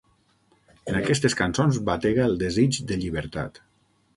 En aquestes cançons batega el desig de llibertat.